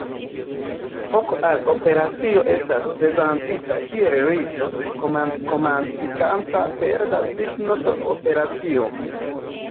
Voko al operacio estas prezentita kiel listo, komenciĝanta per la signo de la operacio.